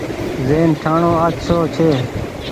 زهين ٺآڻو آڇو ڇي۔